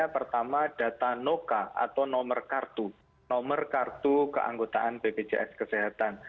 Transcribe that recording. pertama data noca atau nomor kartu nomor kartu keanggotaan bpjs kesehatan